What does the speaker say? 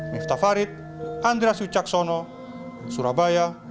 miftah farid andra sucaksono surabaya